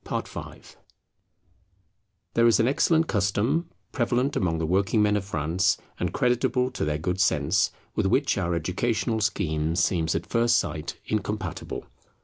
[Travels of Apprentices] There is an excellent custom prevalent among the working men of France and creditable to their good sense, with which our educational scheme seems at first sight incompatible.